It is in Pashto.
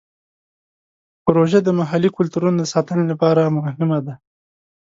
پروژه د محلي کلتورونو د ساتنې لپاره هم مهمه ده.